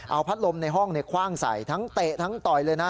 เอาพัดลมในห้องคว่างใส่ทั้งเตะทั้งต่อยเลยนะ